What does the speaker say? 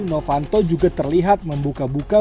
novanto juga terlihat membuka buka